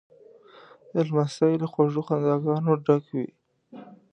لمسی له خوږو خنداګانو ډک وي.